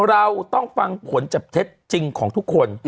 เราต้องฟังผลจับเท็จจริงของทุกคน